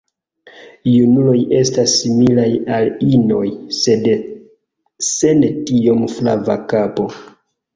Junuloj estas similaj al inoj, sed sen tiom flava kapo.